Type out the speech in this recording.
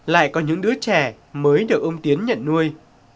lại có những đứa trẻ mới được ông tiến nhận nuôi